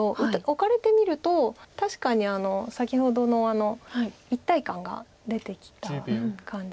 置かれてみると確かに先ほどの一体感が出てきた感じがして。